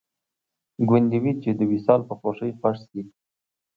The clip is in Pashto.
ګوندې وي چې د وصال په خوښۍ خوښ شي